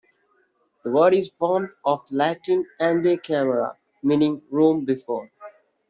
The word is formed of the Latin "ante camera", meaning "room before".